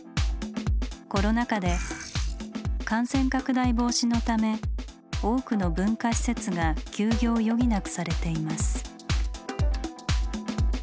コロナ禍で感染拡大防止のため多くの文化施設が休業を余儀なくされています。